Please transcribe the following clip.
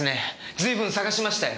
随分捜しましたよ。